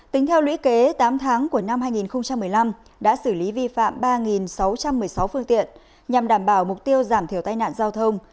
tính theo lũy kế tám tháng của năm hai nghìn một mươi năm đã xử lý vi phạm ba sáu trăm một mươi sáu phương tiện nhằm đảm bảo mục tiêu giảm thiểu tai nạn giao thông